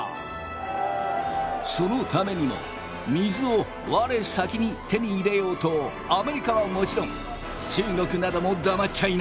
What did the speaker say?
そのためにも水を我先に手に入れようとアメリカはもちろん中国なども黙っちゃいない。